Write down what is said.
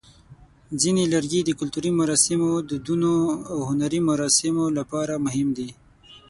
ځینې لرګي د کلتوري مراسمو، دودونو، او هنري مراسمو لپاره مهم دي.